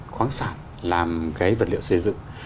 khoáng sản làm cái vật liệu xây dựng